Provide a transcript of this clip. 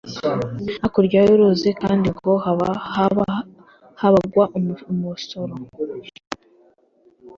hakurya y uruzi kandi ngo bahabwaga umusoro